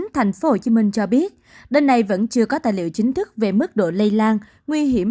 thành phố hồ chí minh cho biết đêm nay vẫn chưa có tài liệu chính thức về mức độ lây lan nguy hiểm